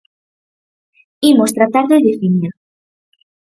Imos tratar de definir.